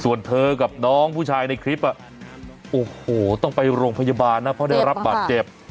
ส่วนเธอกับน้องผู้ชายในคลิปโอ้โหต้องไปโรงพยาบาลนะเพราะได้รับบาดเจ็บ